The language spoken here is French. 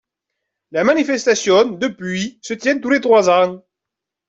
La manifestation, depuis, se tient tous les trois ans.